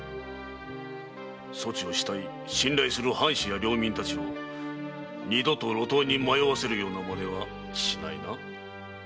そちを慕い信頼する藩士や領民たちを二度と路頭に迷わせるような真似はしないな？